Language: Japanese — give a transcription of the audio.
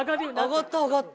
上がった上がった。